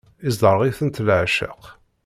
Isderɣel-itent leεceq.